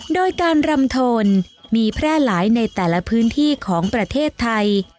โดยการรำโทนมีแพร่หลายในแต่ละพื้นที่ของประเทศไทย